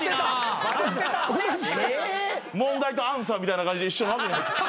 問題とアンサーみたいな感じで一緒の枠に。